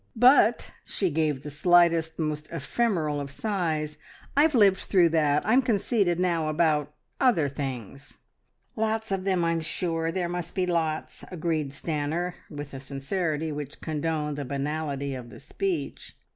But," she gave the slightest, most ephemeral of sighs, "I've lived through that. I'm conceited now about other things." "Lots of them, I'm sure. There must be lots," agreed Stanor, with a sincerity which condoned the banality of the speech.